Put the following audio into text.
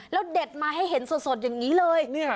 แล้วเด็ดมาให้เห็นสดอย่างนี้เลย